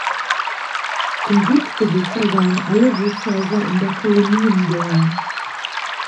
Zum Gutsbesitzer sollen alle Wirtshäuser in der Kolonien gehören.